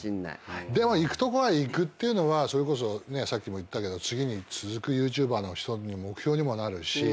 でもいくとこまでいくっていうのはそれこそさっきも言ったけど次に続くＹｏｕＴｕｂｅｒの人の目標にもなるし。